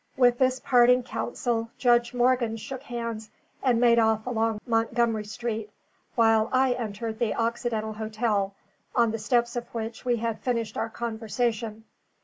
With this parting counsel Judge Morgan shook hands and made off along Montgomery Street, while I entered the Occidental Hotel, on the steps of which we had finished our conversation.